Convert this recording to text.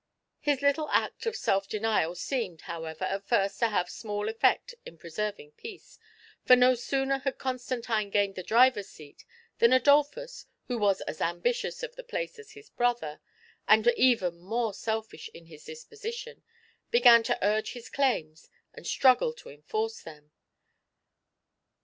His little act of self denial seemed, however, at first to have small effect in preserving peace, for no sooner had Constantine gained the driver's seat, than Adolphus, who was as ambitious of the place as his brother, and even more selfish in his disposition, began to urge his claims, and struggle to enforce them.